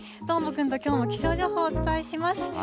どーもくんと、きょうも気象情報をお伝えします。